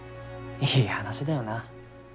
いい話だよな。